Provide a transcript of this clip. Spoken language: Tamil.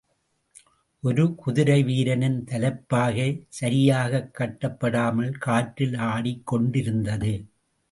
ஒரு குதிரை வீரனின் தலைப்பாகை சரியாகக் கட்டப்படாமல் காற்றில் ஆடிக் கொண்டிருந்தது.